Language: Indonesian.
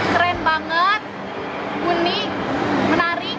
keren banget unik menarik